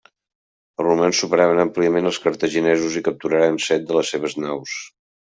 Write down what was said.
Els romans superaven àmpliament als cartaginesos i capturaren set de les seves naus.